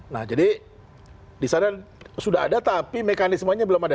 nah jadi disana sudah ada tapi mekanismenya belum ada